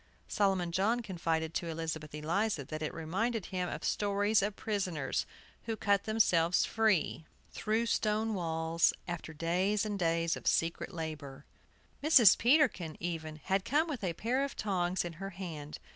Solomon John confided to Elizabeth Eliza that it reminded him of stories of prisoners who cut themselves free, through stone walls, after days and days of secret labor. Mrs. Peterkin, even, had come with a pair of tongs in her hand.